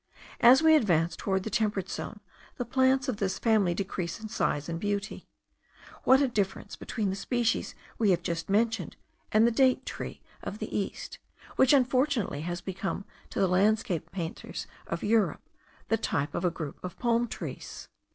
As we advance toward the temperate zone, the plants of this family decrease in size and beauty. What a difference between the species we have just mentioned, and the date tree of the East, which unfortunately has become to the landscape painters of Europe the type of a group of palm trees!